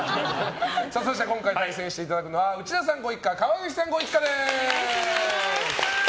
そして今回対戦していただくのは内田さんご一家川口さんご一家です。